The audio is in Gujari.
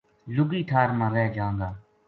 لُگی ٹھار ما رہ جاں گا‘‘